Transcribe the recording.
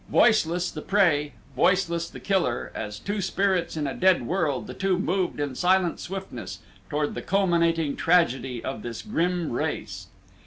Voiceless the prey, voiceless the killer; as two spirits in a dead world the two moved in silent swiftness toward the culminating tragedy of this grim race.